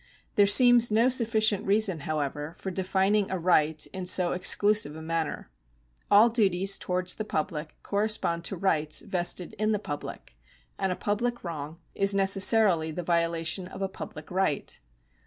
There seems no sufficient reason, however, for defining a right in so exclusive a manner. All duties towards the public correspond to rights vested in the public, and a public wrong is necessarily the 1 See Austin, Lect. 17. §721 LEGAL RIGHTS 185 violation of a public right.